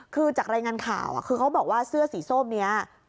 คือจากรายงานข่าวคือเขาบอกว่าเสื้อสีส้มนี้